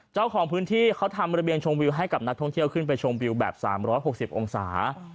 เจ้าของพื้นที่เขาทำระเบียงชมวิวให้กับนักท่องเที่ยวขึ้นไปชมวิวแบบ๓๖๐องศา